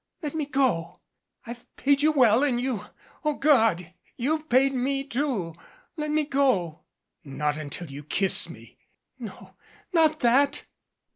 Let me go. I've paid you well and you O God ! you've paid me, too. Let me go." "Not until you kiss me." "No not that."